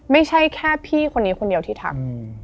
ไม่ใช่แค่พี่คนนี้คนเดียวที่ทำ